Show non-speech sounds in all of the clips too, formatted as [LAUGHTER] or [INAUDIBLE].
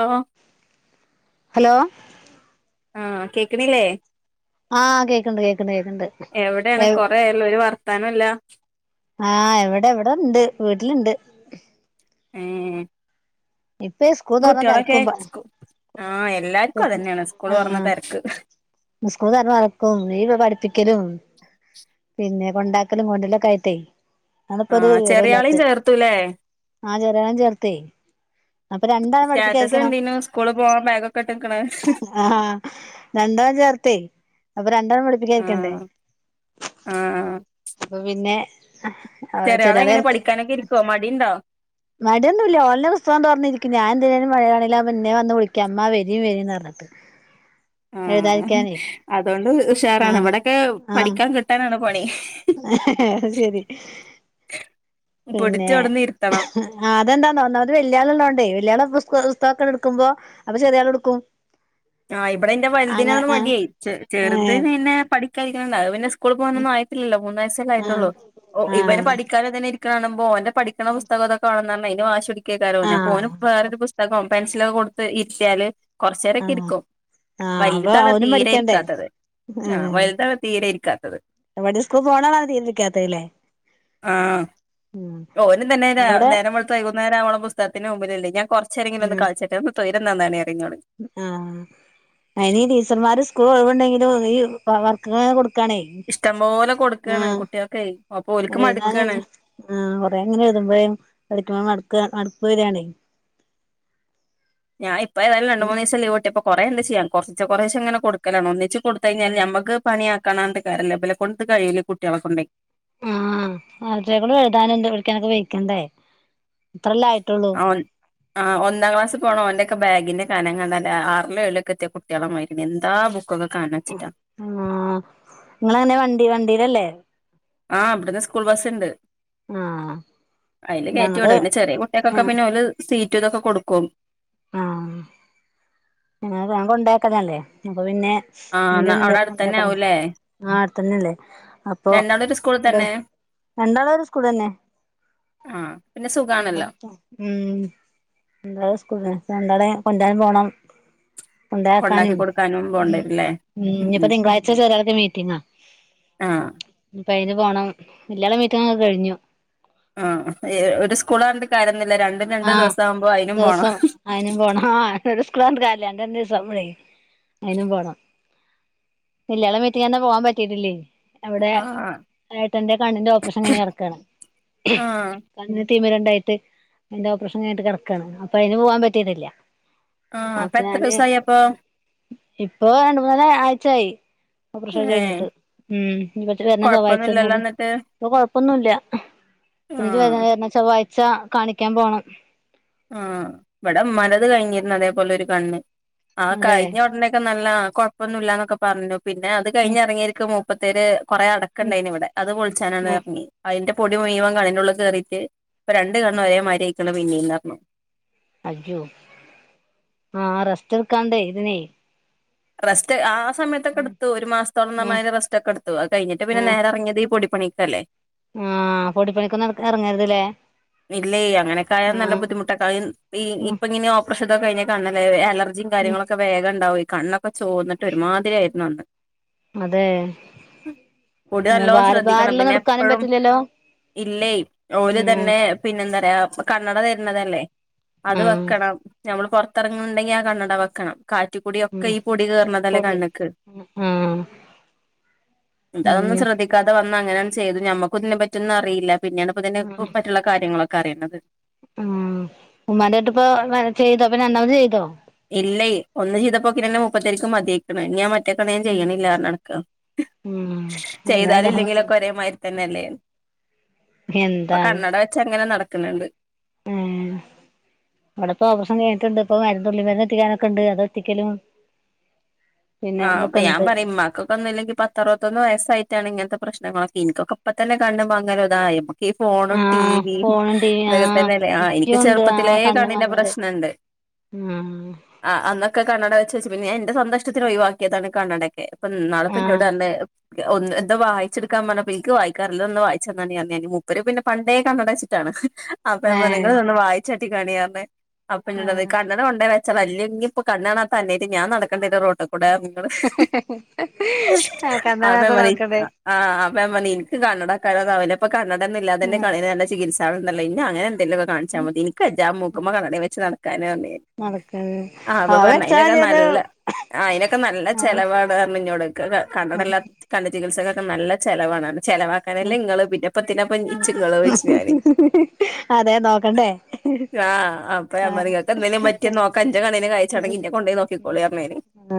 ആഹ് hello ആഹ് കേക്ണില്ലേ ആഹ് കേക്ണ്ട് കേക്ണ്ട് കേക്ണ്ട് എവിടെയാണ് [UNINTELLIGIBLE] കൊറെയായല്ലോ ഒരു വർത്താനോല്ല ആഹ് ഇവിടെ ഇവിടെണ്ട് വീട്ടില് ണ്ട് ഏഹ് ഇപ്പെ ഈ സ്കൂൾ തൊറന്ന കുട്ടികളൊക്കെ തെരക്കും സ്കൂ ആഹ് എല്ലാർക്കും [UNINTELLIGIBLE] അതന്നെയാണ് സ്കൂള് തൊറന്ന ആഹ് തെരക്ക് ഇനി സ്കൂൾ തൊറന്ന [UNINTELLIGIBLE] പ്പിക്കലും പിന്നെ കൊണ്ടാക്കലും കൊണ്ടര്ലും ഒക്കായിട്ടെ അതിപ്പോ ഒരു ആഹ് ചെറിയാളെയും വിവരൂല്ലാത്തത് ചേർത്തൂല്ലേ ആഹ് [UNINTELLIGIBLE] അപ്പൊ രണ്ടാളെ സ്റ്റാറ്റസ് പഠിപ്പിക്കായിരിക്കണം കണ്ടീനു. സ്കൂള് പോവാൻ ബാഗ് ഒക്കെ ഇട്ട് നിക്ക്ണത് ആഹ് രണ്ടാളിം ചേർത്തേ. അപ്പൊ രണ്ടാളിം വെള്പ്പിനെണീക്കണ്ടേ ആഹ് ആഹ് അപ്പൊ പിന്നെ അവരെ ചെറിയാള് എങ്ങനെ പഠിക്കാനൊക്കെ [UNINTELLIGIBLE] ഇരിക്കുവോ മടിയുണ്ടോ മടിയൊന്നും ഇല്ല. ഓനല്ലെ പുസ്തകം തൊറന്നിരിക് ണ്. ഞാൻ എന്തേലും പണീലാണെ ഇന്നെ വന്ന് വിളിക്കാ അമ്മാ വരിം വരിം ന്ന് പറഞ്ഞിട്ട് ആഹ് എഴുതാരിക്കാനേ അതോണ്ട് ഉഷാറാണ് ആഹ് ഇവടൊക്കെ പഠിക്കാൻ കിട്ടാനാണ് പണി ഹ-ഹ-ഹ അത്ശെരി പിന്നെ പിടിച്ചോടന്ന് ഇരുത്തണം അതെന്താതോന്നുന്നു വെല്യാളുള്ളോണ്ടേ വെല്യാള് പ്രശ് പുസ്തകക്കങ്ങ്ണ്ടെടുക്കുമ്പോ അപ്പൊ ചെറിയാളെടുക്കും ആ ഇവിടെന്റെ വലുതിനാണ് മടിയെ ചെറ്ത് ഏഹ് പിന്നെ പഠിക്കാനിരിക്കണ്ട അത് പിന്നെ സ്കൂളിപോവാനൊന്നും ആയി എത്രയിലാപോവുന്നെ ആഹ് ഇതല്ലായിട്ടുള്ളു ഇവര് ആഹ് പഠിക്കാതെതന്നെ ഇരിക്കണകാണുമ്പോ ഓന്റെ പഠിക്ക്ണ പുസ്തകംതൊക്കാണുന്ന മെയിന് വാശിപിടിക്കും ക്കെ കരോഞ്ഞം ആഹ് അപ്പോനും വേറൊരു പുസ്തകോം പെൻസിലൊക്കെ കൊടുത്ത് ഇര്ത്തിയാല് കൊറച്ചേരൊക്കെ ഇരിക്കും ആഹ് ആഹ് അപ്പൊ വലുതാണ് അവനും തീരെ പഠിക്കണ്ടേ ഇരിക്കാത്തത് ആ വലുതാണ് തീരെ ഇരിക്കാത്ത ഇവടെയും സ്കൂൾ പോണവരാണ് ഇരിക്കാത്തത് ലെ ആഹ് ഉം ഓനും തന്നെ ഇവിടെ നേരം വെളുത്ത് വൈുന്നരാവോളം പുസ്തകത്തിന് മുമ്പിലല്ലേ ഞാൻ കൊറച്ചേരെങ്കിലൊന്ന് കളിച്ചോട്ടെ സൗര്യംതന്നാണിൻന്നെറങ്ങിയോൻ ആഹ് അയിനി ടീച്ചർമാര് സ്കൂൾ ഒഴിവുണ്ടെങ്കിലും ഈ വർക്ക്ങ്ങനെ കൊടു ക്കാണെ ഇഷ്ടം പോലെ ആ കൊടുക്കാണ് കുട്ടികൾക്കെ അപ്പൊ ഓൽക്ക് കൊറെഴ്താനും മടുക്കാണ് അഹ് കൊറേങ്ങനെഴുതാനും വരുമ്പഴേ പഠിക്കുമ്പോ മടുപ്പ് മട്പ്പ് വര്യാണേ ഞാനിപ്പോ ഏതായാലും രണ്ട്മൂന്ന്ദിവസം ലീവ് കട്ടിയപ്പൊ കൊറെണ്ട് ചെയ്യാൻ കുറച്ച്ച്ചെ കൊറേശെങ്ങനെ കൊട്ക്കലാണ് ഒന്നി ച്ച് ഉം കൊടുത്ത്കഴിഞ്ഞാൽ നമുക്ക് പണിയാക്കണാണ്ട് കാര്യല്ല ഇബലെക്കൊണ്ടിത് കിഴിയില്ല കുട്ടികളെക്കൊണ്ടേ ആഹ് അവറ്റകള് എഴുതാനുണ്ട് പഠിക്കാനൊക്കെ വെയ്ക്കണ്ടേ ഇത്രല്ലേ ആയിട്ടുള്ളൂ ആം-ആ ഒന്നാം ക്ലാസ് പോണ ഓന്റെക്കെ ബാഗി ഗിന്റെ കാനംകണ്ടാൽ ആറിലുംഏഴിലോക്കെത്തിയ കുട്ടികളുമായിരി എന്താ ബു ആ നിങ്ങളെങ്ങനെ വണ്ടി വണ്ടീയിലല്ലേ ആഹ് ഇവിടന്ന് സ്കൂൾ ബസ്സുണ്ട് ആഹ് അയില് ഞങ്ങള് കേറ്റിവിടും പിന്നെ ചെറിയകുട്ടികക്കൊക്കെ ആഹ് പിന്നെ ഓല് സീറ്റ് റ്റൊക്കെ കൊടുക്കും ആഹ് ന്നാ വേംകൊണ്ടാക്കലല്ലേ അപ്പൊ പിന്നെ എന്താ ആഹ് അവിടെ നിന്റെയൊപ്പം അടുത്തന്നെ കൊണ്ടാക്കണ ആവൂല്ലേ ആ അടുത്തെന്നല്ലേ അപ്പൊ രണ്ടാളും ഒരു സ്കൂളിൽ എന്ത തന്നെ രണ്ടാളും ഒരു സ്കൂളെന്നെ ആഹ് പിന്നെ ഉമ്മാ സുഖാണല്ലോ വിളിക്കാ ഉം എന്താ സ്കൂള് സങ്കടേ കൊണ്ടരാൻ പോണം കൊണ്ടാക്കി കൊണ്ടോയാക്കാനും കൊടുക്കാനും പോണ്ടേരും ല്ലേ ഉം-ഉം ഉം ഇനിയിപ്പൊ ഉം തിങ്കാഴ്ച്ച ചെറിയാൾക്ക് മീറ്റിങ്ങാ ആഹ് ഇനിപ്പയിന് പോണം വല്യാൾടെ മീറ്റിങ്ങൊക്കെ കയിഞ്ഞു ആ ഒരു സ്കൂളായാണ്ട് കാര്യ ങ്ങളല്ല രണ്ടും ആഹ് രണ്ടുദിവസാവുമ്പോ അയിനും പോണം ഒരുസ്കൂളാണ്പറഞ്ഞിട്ട് കാര്യല്ല രണ്ട് രണ്ടുദിവസാവുമ്പളേ അയിനും പോണം വല്യാൾടെ മീറ്റിങ്ങിനെന്നെ പോകാൻ പറ്റീട്ടില്ലേ അവിടെ ആഹ് ഏട്ടന്റെ കണ്ണിന്റെ ഓപ്പറേഷൻ കഴിഞ്ഞിട്ട് ആഹ് കടക്കാണ് തിമിരണ്ടായിട്ട് അതിന്റെ ഓപ്പറേഷൻ കഴിഞ്ഞിട്ട് കിടക്കാണ് അപ്പൊ അതിന് പോവാൻ പറ്റീട്ടില്ല ആഹ് ഇപ്പെത്ര ദിവസായപ്പൊ ഇപ്പൊ രണ്ട്മൂന്നര ആഴ്ച്ചായി ഓപ്പറേഷൻ ഏഹ് കഴിഞ്ഞിട്ട് ഉം ഇനി വിളിച്ചിട്ട്വരണ കൊഴപ്പൊന്നുല്ലല്ലോ ചൊവ്വാഴ്ച്ചയന്നോട് എന്നിട്ട് ഇപ്പൊ കൊഴപ്പൊന്നുല്ല പിന്നെ ആഹ് [UNINTELLIGIBLE] ചൊവ്വാഴ്ച കാണിക്കാൻ പോണം ആ ഇവിടൊമ്മാന്റത് കഴിഞ്ഞിരുന്നതേപോലൊരു കണ്ണ് ആഹ് അതെ കഴിഞ്ഞ ഉടനൊക്കെ നല്ല കൊഴപ്പൊന്നുല്ലന്നൊക്കെ പറഞ്ഞു പിന്നെ അത് ഉം കഴിഞ്ഞെറങ്ങിയിരിക്ക മു ഇപ്പത്തേര് കൊറെ ഉം അടക്കണ്ടായിരുന്ന് ഇവിടെ അത് ഉം പൊളിച്ചാനാണ്ടെറങ്ങി അയിന്റെ പൊ പൊടി മുയുവൻ കണ്ണിന്റുള്ളികേറീട്ട് ഇപ്പൊ രണ്ട്കണ്ണും ഒരേ മാതിരിയായിരിക്കണ പിന്നേം പറഞ്ഞു അജജു ആഹ് റസ്റ്റെടുക്കാന്ണ്ട് ഇതിനെ റസ്റ്റ്‌ ആ ഉം സമയത്തൊക്കെടുത്തു ഒരു ഉം മാസത്തോളംന്നറഞ്ഞാ അതിന്റെ റെസ്റ്റൊക്കെടുത്തു അത് കഴിഞ്ഞട്ട് പിന്നെ ആഹ് നേരെ ഇറങ്ങിയത് ഈ പൊടിപ്പണിയിക്കല്ലേ ആഹ് പൊടിപ്പണിക്കൊന്നും നട ഇറങ്ങരുത് ല്ലേ ഇല്ലേ അങ്ങനെയൊക്കായാ നല്ല ബുദ്ധിമുട്ടൊക്ക ഈ ഉം ഇപ്പങ്ങനെ ഓപ്പറേഷൻതൊക്കെ കഴിഞ്ഞേക്കാണല്ലേ അലർ ചർും ഉം കാര്യങ്ങളൊക്കെ വേഗംണ്ടാവുംഈ കണ്ണൊക്കെോന്നിട്ട്മാതിരി ആയിരുന്നു അന്ന് അതേ കൂടി നല്ലോണം ശ്രദ്ധിക്കണം. പിന്നെ എപ്പഴും പറ്റില്ലല്ലോ ഇല്ലേ ഓല് ഉം തന്നെ പിന്നെന്താ കണ്ണട തരണതല്ലേ അത് ആഹ് വെക്കണം നമ്മള് പൊറ റത്തെറങ്ങണ്ടെങ്കി ആ കണ്ണട വെക്കണം. കാറ്റു കൂടിയൊക്കെ ഉം ഈ പൊടി കേയറണതല്ലേ പൊടി കണ്ണിക്ക് ആഹ് ഇതതൊന്നും അതന്നെ ശ്രദ്ധിക്കാതെ വന്ന അങ്ങനെയങ്ങു ചെയ്തു. ഞമ്മക്ക് ഇതിനെ പറ്റിയൊന്നും അറിയില്ല. പിന്നെയാണ് ഇതിനെ പറ്റിയുള്ള കാര്യങ്ങളൊക്കെ അറിയണത്. ഉം ഉമ്മാന്റെ അൺട്ട് ഇപ്പോ ചെയ്തോ ഇപ്പോ രണ്ടാമത് ചെയ്തോ? ഇല്ലേ ഒന്ന് ചെയ്തപ്പോ പിന്നെന്നെ മൂപ്പത്തിയാരക്ക് മതിയായേക്കണ്. ഞാ മ റ്റേ കണ്ണ് ഞാൻ ഉം ചെയ്യണില്ലാ പറഞ്ഞ് നടക്കാ. ഉം ചെയ്താലും ഒന്നേതാ ഇല്ലെങ്കിലും മതി ഒക്കെ ഒരേമാതിരി തന്നെ അല്ലേ. ഇപ്പൊ കണ്ണട വെച്ച അങ്ങനെ നടക്കണ്. ഉം അവിടെപ്പാവസം കഴിഞ്ഞിട്ടുണ്ട് ഇപ്പ മരുന്ന് തുള്ളി മരുന്ന് എത്തിക്കാനൊക്കെ ഉണ്ട്. അതെത്തിക്കലും ആ അപ്പ ഞാൻ പറയും ഉമ്മാക്കൊക്കെ ഒന്നുമല്ലെങ്കി പത്ത് അറുപത്തൊന്ന് വയസായിട്ടാണ് ഇങ്ങനത്തെ പ്രശ്നങ്ങളൊക്കെ എനിക്കൊക്കെ ഇപ്പ തന്നെ കണ്ണ് മങ്ങല് ഇതായേമ്മ ഈ ഫോണും ആഹ് ടിവും ഫോണും ടിവി ആഹ് ഇതൊക്കെത്തന്നെയല്ലേ. ആ എനിക്ക് നിക്കുണ്ട് ചെറുപ്പത്തിലേ കണ്ണിൻ്റെ പ്രശ്നണ്ട്. ഉം ആ അന്നൊക്കെ കണ്ണട വ ച്ചേച്ച് ഞാൻ എന്റെ സ്വന്ത ഇഷ്ടത്തിന് ഒഴിവാക്കിയതാണ് കണ്ണടയൊക്കെ. ഇപ്പ ഇന്നാള് എന്നോട് ആഹ് പറഞ്ഞ് ഒന്ന് എന്താ വായിച്ചെടുക്കാൻ പറഞ്ഞപ്പെ എനിയ്ക്ക് വായിക്കാനറിയില്ലാ ഒന്ന് വായിച്ചതന്നാനീ അന്നേ നീ മുപ്പരു പിന്നെ പണ്ടേ കണ്ണട വച്ചിട്ടാണ്. അപ്പ ഞാൻ പറഞ്ഞ് ഏഹ് നിങ്ങള് ഇതൊന്ന് വായിച്ചാട്ടി കാണി പറഞ്ഞ് അപ്പൊ ഇങ്ങട് പറഞ്ഞ് ആഹ് കണ്ണടകൊണ്ടേ വ ച്ച അല്ലെങ്കി ഇപ്പൊ കണ്ണ് കാണാത്ത അന്വേഷിച്ച് ഞാൻ നടക്കണ്ടേ റോഡി ലൂടെ നിങ്ങള് ആഹ് കണ്ണ് അപ്പ ഞാൻ കാണാതെ പറഞ്ഞി നടക്കണ്ടേ ആ അപ്പ ഞാൻ പറഞ്ഞി എനിക്ക് കണ്ണട കാരണം അവനിപ്പ കണ്ണട ഒന്നൂല്ലാതെ തന്നെ ആഹ് കണ്ണിന് നല്ല ചികിത്സാ വേണന്നൊള്ളെന് ഇല്ല അങ്ങനെ- എല്ലൊക്കെ കാണിച്ചാമതി നിനക്ക് വയ്യാ മൂക്കുമ്മെ കണ്ണടേംവെച്ച് നടക്കാനാ പറഞ്ഞ് നടക്കണ് ആ അപ്പൊ അത് പറഞ്ഞ് വെച്ചാ അതിനൊക്കെ മതി ഒരു നല്ല- ആ അയിനൊക്കെ നല്ല ആഹ് ചെലവാണ് അതു കാരണം ഇഞ്ഞോടൊക്കെ ഒക്കെ കണ്ണട ഇല്ലാ ആഹ് കണ്ണ് ചികിത്സക്കൊക്കെ നല്ല ചെലവാണ് അത് ചെലവാക്കാനല്ലേ ഇങ്ങള് പിന്നെപ്പന്തിന ഇപ്പ ഇച്ച് ഇങ്ങള് ചോയ്ച്ച് ഞാന് അതെ നോക്കണ്ടേ ആ അപ്പ ഞാൻ പറയും ആഹ് നിങ്ങക്ക് എന്തെങ്കിലും പറ്റിയ നോക്കാൻ എൻ്റെ കണ്ണിന് കാഴ്ച ഉണ്ടെങ്കി എന്നെ കൊണ്ടുപോയി നോക്കിക്കോളി പറഞ്ഞേനി ആ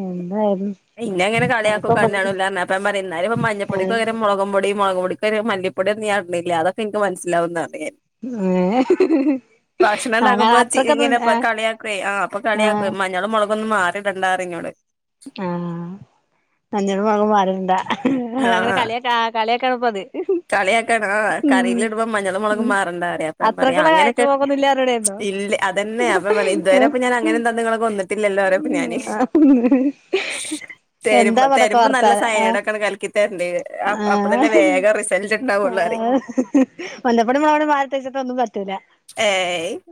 ഉം നിന്നെ അങ്ങനെ കളിയാക്കും കണ്ണു കാണൂലാന്നു പറഞ്ഞ് അപ്പ ഞാൻപറയും എന്നാല് ഇപ്പ മഞ്ഞപ്പൊടിക്കു ഏഹ് പകരം മുളകുംപൊടി മുളകു പൊടി- മല്ലിപ്പൊടിയാണെന്ന് ഞാൻ അറിഞ്ഞില്ല അതൊക്കെ എനിക്ക് മനസ്സിലാവുന്നു പറഞ്ഞ് ഭക്ഷണം അങ്ങനെ ഒണ്ടാക്കുമ്പോ ചി ഇങ്ങനെ അത്രക്കൊന്നും ഇപ്പ ആഹ് കളിയാക്കുവേ ആ അപ്പൊ കളിയാ ആഹ് മഞ്ഞളും മുളകൊന്നും മാറി ഇടണ്ടാന്നു പറയും ഇന്നോട് ആ മഞ്ഞളും മുളകും മാറി ഇടണ്ട ആ ഇങ്ങളങ്ങനെ കളിയാക്കുക കളി യാക്കാണപ്പത്. കളിയാക്കാണ് ആ കറീല് ഇടുമ്പോ മഞ്ഞളും മുളകും ഉം മാറണ്ട പറയും അപ്പൊ അവൻ പറയും ആ അത്രക്കുള്ള അങ്ങനൊക്കെ കാഴ്ചപോക്കൊന്നുല്ല പറഞ്ഞൂടായിരുന്നോ ഇല്ല അതന്നെ അപ്പൊ പറയും ഇതുവരെ അപ്പൊ ഞാൻ അങ്ങനൊന്നും തന്ന് ഇങ്ങളെ കൊന്നി ട്ടില്ലല്ലോ പറയും അപ്പം ഞാന് തരു എന്താപ്പതൊക്കെ തരുമ്പോ നല്ല വർത്താനം സൈനയ്ഡ് ആഹ് ഒക്കെ കലക്കി തരുന്നുണ്ട് അപ്പളല്ലേ വേഗം റി ആ മഞ്ഞപ്പൊടിയും മുളകുപൊടിയും വാരിട്ടേച്ചിട്ട് ഒന്നും പറ്റൂല.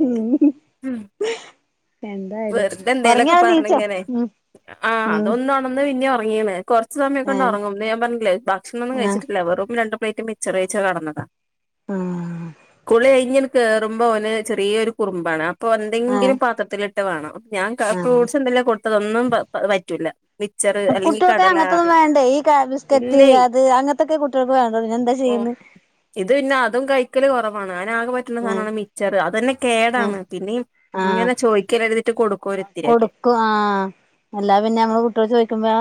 ഉം ഉം എന്തായാലും എന്തേലൊക്കെ ഉറങ്ങിയാ നീച്ചോ പറഞ്ഞിങ്ങനെ ഉം ആ ഉം അതൊന്ന് ഉണർന്ന് പിന്നെ ഉറങ്ങീന് കുറച്ച് സമയൊക്കെ ഉണ്ടേ ഏഹ് ഉറങ്ങും ഇന്ന് ഞാൻ പറഞ്ഞില്ലേ ഭക്ഷണം ഒന്നും ആഹ് കഴിച്ചിട്ടില്ല വെറും രണ്ട് പ്ലേറ്റ് മിക്സ്ച്ചർ കഴിച്ച് കെടന്നതാ കുളി കഴിഞ്ഞ് കേറുമ്പോ ഓന് ചെറിയൊരു കുറുമ്പാണ് അ അപ്പൊ ആഹ് എന്തെങ്കിലും പാത്രത്തിലിട്ട് വേണം അപ്പ ഞാൻ ആഹ് ഫ്രൂട്ട്സ് എന്തെല്ലാ കൊടുത്തത് ഒന്നും പറ്റൂല്ല. കുട്ടികൾക്ക് അങ്ങനത്തൊന്നും വേണ്ടേ ഈ ബിസ്ക്കറ്റ് ഇല്ലേ അത് അങ്ങനത്തൊക്കെയാ കുട്ടികൾക്ക് വേണ്ടത് പിന്നെ എന്താ ഓൻ ചെയ്യുക ഇന്ന് ഇത് പിന്നെ അതും കഴി ക്കല് കൊറവാണ് ഓനാകെ പറ്റ്ണ ഉം സാനാണ് മിച്ചറ് അതന്നെ ഉം കേടാണ് പിന്നെയും ആഹ് ഇങ്ങനെ ചോയ്ക്ക [UNINTELLIGIBLE] കൊടുക്കും ഒര്ത്തിരിയൊക്കെ കൊടുക്കും ആഹ് അല്ലാ പിന്നെ നമ്മള് കുട്ടികൾ ചോദിക്കുമ്പോ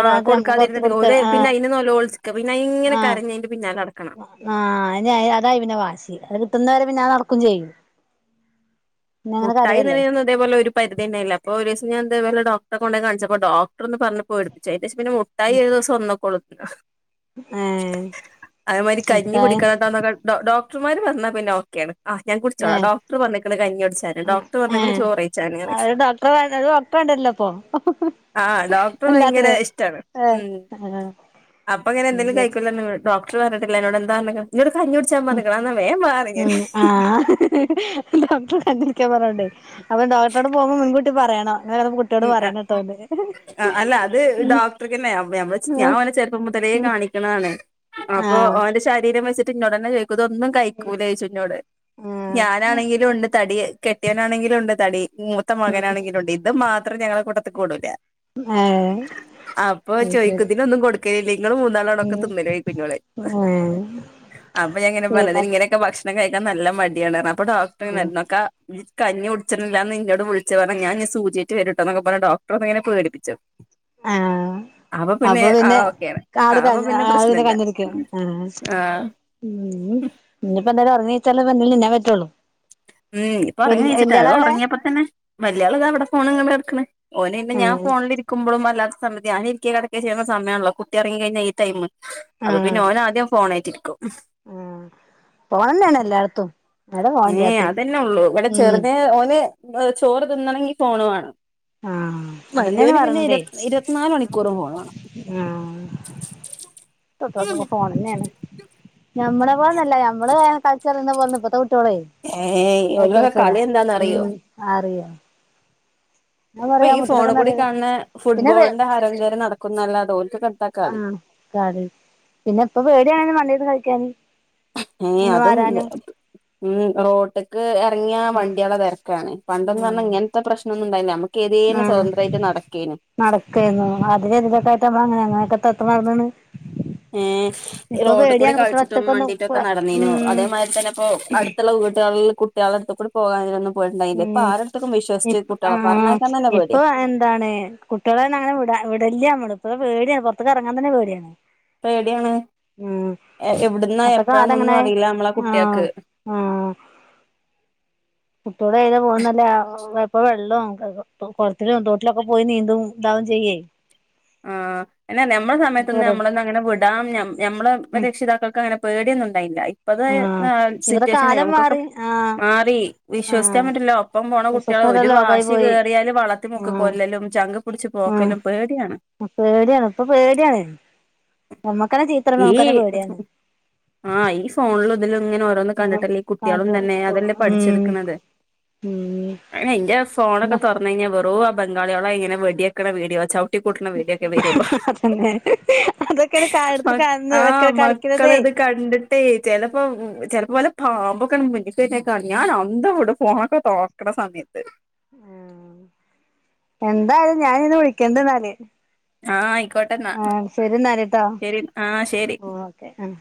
ആഹ് നമ്മള് കൊറച്ച് കൊടുക്കാതിരുന്നിട്ട് കൊടുക്ക ഒല് പിന്നെ ആഹ് അയിന് നെലോള്ച്ചക്ക പിന്നെയ് ഇങ്ങനെ ആഹ് കരഞ്ഞയിന്റെ പിന്നാലെ നട ആഹ് ഇനി അയ അതായി പിന്ന വാശി അത് കിട്ടുന്ന പിന്നാ നടക്കും ചെയ്യും പിന്നെ അങ്ങനെ മുട്ടായി കരയല്ലേ [UNINTELLIGIBLE] തേപോലൊരു പരിധിണ്ടായില്ല അപ്പൊ ഒരീസം ഞാൻ ഇതേവൊലെ ഡോക്ടെ കൊണ്ടോയ് കാണിച്ചപ്പോ ഡോക്റെന്ന് പറഞ്ഞപ്പോ [UNINTELLIGIBLE] ദേശ് പിന്നെ മുട്ടായി ഒരു ദിവസം ഒന്ന് കൊളു [UNINTELLIGIBLE] ഏഹ് അതേമാരി കഞ്ഞി മുട്ടായ കുടിക്കണംട്ടാന്നൊര് ഡോ ഡോ ടൃമാര് പറനാ പിന്നോക്കെയാണ്. ആഹ് ഞാങ്കുടിച്ചോളാം ഏഹ് ഡോക്ട്റ് പറഞ്ഞേക്ക്ണെ [UNINTELLIGIBLE] ഡോക്ടറ് പറഞ്ഞെക്ക്ന്നെ ഏഹ് ചോറഴിച്ചാന്ന്റയു ഒരു ഡോക്ടറെ ഒരു ഡോക്ടറെ വേണ്ടിവരില്ലോ അപ്പൊ ആഹ് ഡോക്ടറ് വയ്ങ്കര എല്ലാത്തിനും ഇഷ്ടാണ് ഏഹ് ഉം ആഹ് അപ്പങ്ങനെ എന്തെലും ശരി കയ്ക്കൂല്ലന്ന് [UNINTELLIGIBLE] ഡോക്ടറ് പറഞ്ഞിട്ടില്ല എന്നോട് എന്താ [UNINTELLIGIBLE] ഉം പറഞ്ഞേക്കണ് എന്നാ വേഗം വാ പറഞ്ഞ് ഞാന് ഉം ആഹ് ഹഹഹ ഡോക്ടറെ കണ്ടിരിക്കാ പറോണ്ട് അപ്പ ഡോക്ടറോട് പോമ്പൊ മുൻകൂട്ടി പറയണം [UNINTELLIGIBLE] കുട്ടിയോട് പറയണട്ടോന്ന് ആ അല്ല അത് ഡോക്ടർക്ക്ന്നെ വെ മ്മള് ഞാൻ ഓനെ ചെർപ്പം മുതലേ കാണിക്കണതാണ് അപ്പൊ, ആഹ് ഓന്റെ ശരീരം വെച് തിന്നൊടനേ ചോയ്ക്കു ത് ഒന്നും കയ്ക്കൂലേയ്ച്ചെന്നോട് ആഹ് ഞാനാണെങ്കിലു ഒണ്ട് തടിയെ കെട്ടിയൊനാണെങ്കിലുണ്ട് തടി മൂത്ത മകനാണെങ്കിലുണ്ട്. ഇത് മാത്രം ഞങ്ങളെ കൂട്ടത്തികൂടൂല ഏഹ് അപ്പൊ അത് ശരി ചോയ്ക്കുതിന് ഒന്നും കൊടുക് ഇങ്ങള് മൂന്നാളോടൊക്കെ ഉം തിന്നല് [UNINTELLIGIBLE] [UNINTELLIGIBLE] ഏഹ് [UNINTELLIGIBLE] പിന്നെ കഴിക്കാൻ നല്ല മട്യാണ് അപ്പൊ ഉം ഡോക്ടറ്ങ്ങനെ [UNINTELLIGIBLE] കഞ്ഞി ഉടിച്ച്ര്ല്ലാന്ന് ഇന്നോട് വിളിച്ച് പറഞ്ഞാ ഞാന്നി സൂചിയാറ്റ് വരുട്ടോന്നൊക്ക പറഞ്ഞ് ഡോക്ടറൊന്നങ്ങനെ പേടിപ്പിച്ച് ആഹ് അപ്പൊ ആ പിന്നെ ഓക്കെയാണ് ആട് ക അപ്പൊ ആ പിന്നെ പ്രശ്നല്ല കഞ്ഞടിക്ക്ണ് ഉം ആഹ് ആ ഉം ഇന്നിപ്പോ എന്തായാലും ഒറങ്ങീച്ചാലല്ലേ ന്തേലും തിന്നാംപറ്റുള്ളൂ ഉം ഇപ്പൊറങ്ങി എണിച്ചിട്ട. തോറങ്ങിയപ്പോ തന്നെ വല്യാള് ദാവിടെ ഫോണും കണ്ട് കെടക്കണ് ഓനെ ഇന്ന് ഞാൻ ഏഹ് ഫോണിലിരിക്കുമ്പോഴും അല്ല സമയത്ത് ഞാനിരിക്ക്യേ കെടക്ക്യേ ചെയ്യണ സമയാണല്ലോ കുട്ട്യൊറങ്ങി കഴിഞ്ഞാ ഈ ടൈമ് ആഹ് അപ്പപ്പിന്ന ഓനാദ്യം ഫോണായിട്ട് ആഹ് ഫോണന്നെയാണ് എല്ലാടത്തും ഏ അതന്നുള്ളൂ ഇവിടെ ചെറുത് ഓന് ചോറ് തിന്നണങ്കി ഫോണുവാണം ആഹ് അതന്നെയാണ് പറണതേ ഇരുപത്തിനാല് മണിക്കൂറും ഫോൺ വേണം ആഹ് [UNINTELLIGIBLE] ഫോണന്നെയാണ് പ്പോന്നല്ലേ നമ്മള് കൾച്ചറ്ന്ന് പോന്ന്പ്പത്തെ കുട്ട്യോളേ ഏയ് ഇവൽക്കൊക്കെ കായ്ച്ചൊടുക്കൂല കളി ഉം എന്താന്നറിയോ അറി [UNINTELLIGIBLE] ഇപ്പൊ ഈ ഫോണി ഒന്ന് കൂടി ഇറങ്ങി കാണ്ന്ന പിന്നെ ഫുട്ബോളിന്റെ ഹരംകേംറി നടക്കുംന്നല്ലാതെ ഓന് ത് കട്ടാക്കാ ആഹ് കറി പിന്നെ ഇപ്പൊ പേട്യാണ് വണ്ടീന്ന് കഴിക്കാന് ഏ നിന്ന് അതും വാരാനും ഉം റോട്ട്ക്ക് [UNINTELLIGIBLE] എറങ്ങിയ വണ്ടിയളെ തെരക്കാണ്. പണ്ടന്ന് പറഞ്ഞാ ഇങ്ങനത്തെ പ്രശ്നൊന്നുണ്ടായില്ല അമുക്ക് ഏതേലും സ്വതന്ത്രായിട്ട് നടക്കേനു നടക്കെരുന്നു അതിന് [UNINTELLIGIBLE] എത്ര നടന്നേനു ഏ റോഡ് കൂടി കുട്ടികളെ കളിച്ചിട്ടും ഒറ്റക്കൊന്നും വണ്ടിട്ടൊക്കെ നടന്നീനു ഉം അതേമാതിരി തന്നെപ്പൊ അടുത്തുള്ള വീട്ട്കളില് കുട്ടികളെടുത്തുക്കൂടി പോകായിരുന്നു ഉം ഉം ഇപ് ആഹ് ആഹ് പറഞ്ഞയക്കാൻ തന്നെ ഇപ്പൊ പേടിയാ എന്താണ് കുട്ടികളെന്നങ്ങനെ വിടാ ഇവിടെല്ല്യ മ്മടിപ്പ്റ പേടിയാ. പൊറത്ത്ക്കെറങ്ങാൻ തന്നെ പേടിയാണ് ഇപ്പെവ്ടെയാണ് ഉം എ എവിടുന്നാ ഇപ്പത്തെ കാലം എപ്പഴാന്നൊന്നും അങ്ങനെ അറീല്ല നമ്മള ആഹ് കുട്ടിയക്ക് കുട്ട്യോളയ്ലെ പോവ്ന്നല്ലേ [UNINTELLIGIBLE] ഇപ്പൊ വെള്ളം കൊളത്തിലും തോട്ടിലൊക്കെ പോയി നീന്തുവും ഇതാവുവേം ചെയ്യുവേ ആഹ് പിന്നെ ഞമ്മളെ സമയത്തൊന്നും ഞമ്മളെയൊന്നും അങ്ങനെ വിടാൻ ഞമ്മളെ ഉം രക്ഷിതാക്കൾക്കങ്ങനെ പേടി ഒന്നു മുണ്ടായില്ല ഇപ്പത്തെ ആഹ് ഇവിടെ സിറ്റുവേഷനിൽ കാലം നമ്മക്കൊക്കെ മാറി ആഹ് മാറി വിശ്വസിക്കാൻ ആഹ് പറ്റൂല ഒപ്പം പോണ കുട്ട്യാള് വിശ്വസ്തത ഒര് ലോകായി വാശി പോയി കേറിയാല് വെള്ളത്തിൽ മുക്കി ആഹ് കൊല്ലലും ചങ്കിൽ പിടിച്ച് പൊക്കലും പേടിയാണ്. അപ്പോ ഓര് അപ്പോ പേടിയാണ് നമ്മക്ക് തന്നെ ചീത്ത പറയുമ്പോ ഈ നമ്മക്ക് തന്നെ പേടിയാണ്. ആഹ് ഈ ഫോണിലും ഇതിലും ഇങ്ങനെ ഓരോന്ന് ഉം കണ്ടിട്ടല്ലേ ഈ കുട്ട്യാളും കാണ്ട് തന്നെ അതല്ലേ ഉം പഠിച്ചെടുക്കണത്. ഇന്റെ ഉം ഫോണൊക്കെ തൊറന്ന്ഴിഞ്ഞാ വെറും ബംഗാള്യേളായി ഇങ്ങനെ വെട്യക്ക്ണ വീഡിയോ ചൗട്ടികൂട്ട്ണ വെടിക്ക്നെരുള്ളു അതന്നെ അതൊക്കെയാണ് കാലത്ത് കാണുന്ന ആഹ് ഒക്കെ കളിക്കണതേ മക്കളിത് കണ്ട് ണ്ട് ട്ടെയ് ചെലപ്പം ചെല്പ്പോ പാമ്പൊക്കെ ഇങ്ങ [UNINTELLIGIBLE] [UNINTELLIGIBLE] [UNINTELLIGIBLE] കാണും ഞാൻ അന്തം വ്ടും ഫോണൊക്കെ തൊർക്ക്ണ സമയത്ത് ഉം എന്തായലും ഞാനിന്ന് വിളിക്കെണ്ട് ന്നാല് ആഹ് ആയ്ക്കോട്ടന്നാ എന്നാല് ട്ടോ ശെരി ആഹ് ശെരി ഓക്കെ ആഹ്